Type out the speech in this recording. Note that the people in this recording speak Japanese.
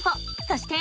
そして。